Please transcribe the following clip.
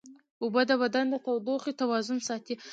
اوبه د بدن د تودوخې توازن ساتي